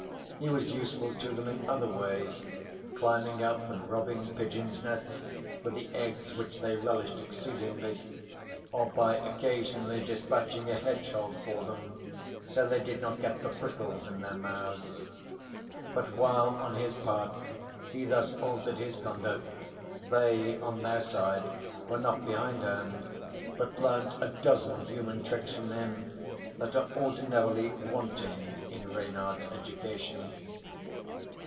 He was useful to them in other ways, climbing up and robbing pigeon's nests for the eggs which they relished exceedingly, or by occasionally dispatching a hedgehog for them so they did not get the prickles in their mouths. But while on his part he thus altered his conduct, they on their side were not behindhand, but learnt a dozen human tricks from him that are ordinarily wanting in Reynard's education.